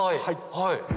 はい。